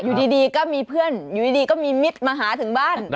อยู่ดีก็มีเพื่อนอยู่ดีก็มีมิตรมาหาถึงบ้าน